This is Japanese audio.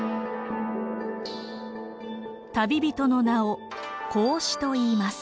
旅人の名を孔子といいます。